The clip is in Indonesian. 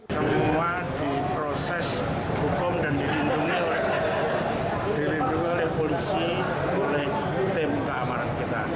semua di proses hukum dan dilindungi oleh polisi oleh tim keamanan kita